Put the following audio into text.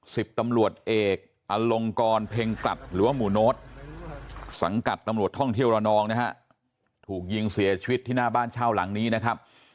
สิบตำรวจเอกอลงกรเพ็งกลัดหรือว่าหมู่โน้ตสังกัดตำรวจท่องเที่ยวระนองนะฮะถูกยิงเสียชีวิตที่หน้าบ้านเช่าหลังนี้นะครับ